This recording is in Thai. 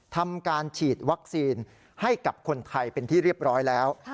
ทำการฉีดวัคซีนให้กับคนไทยเป็นที่เรียบร้อยแล้ว